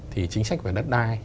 thì chính sách về đất đai